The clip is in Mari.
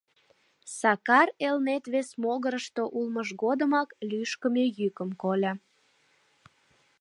Сакар Элнет вес могырышто улмыж годымак лӱшкымӧ йӱкым кольо.